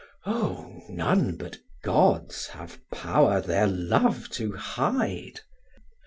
O, none but gods have power their love to hide!